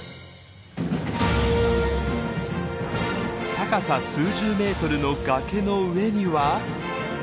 高さ数十メートルの崖の上には。